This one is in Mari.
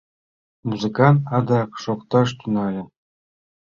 Музыкант адак шокташ тӱҥале.